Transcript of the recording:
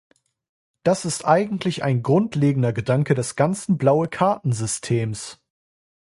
Das ist eigentlich ein grundlegender Gedanke des ganzen Blaue-Karten-Systems.